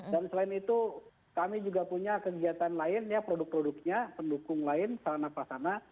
dan selain itu kami juga punya kegiatan lain produk produknya pendukung lain sana pasana